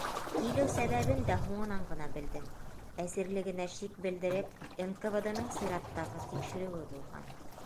Килеү сәбәбен дә һуңынан ғына белдем, әсирлегенә шик белдереп НКВД-ның сираттағы тикшереүе булған.